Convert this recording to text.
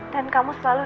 dan kamu selalu